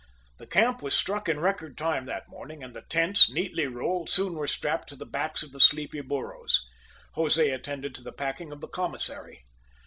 The camp was struck in record time that morning, and the tents, neatly rolled, soon were strapped to the backs of the sleepy burros. Jose attended to the packing of the commissary.